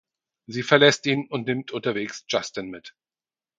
Sie verlässt ihn und nimmt unterwegs Justin mit.